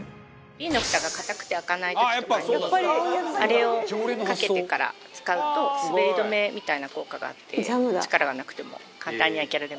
ビンのふたが固くて開かない時とかにあれをかけてから使うと滑り止めみたいな効果があって力がなくても簡単に開けられます。